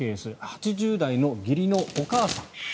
８０代の義理のお母さん。